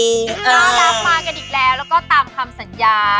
น่ารักมากันอีกแล้วแล้วก็ตามคำสัญญา